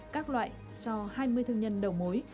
các loại cho hai mươi thương nhân đầu mối